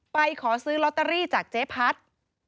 ขอซื้อลอตเตอรี่จากเจ๊พัด